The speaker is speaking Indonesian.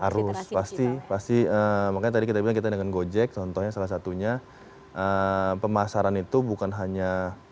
harus pasti pasti makanya tadi kita bilang kita dengan gojek contohnya salah satunya pemasaran itu bukan hanya